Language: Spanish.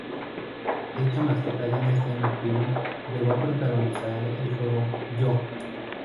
Aunque dicha mascota ya no está en activo, llegó a protagonizar el videojuego "Yo!